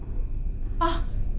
あっ！